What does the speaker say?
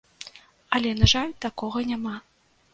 Але на жаль такога няма.